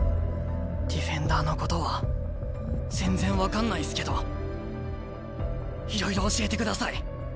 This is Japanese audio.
ディフェンダーのことは全然分かんないっすけどいろいろ教えてください。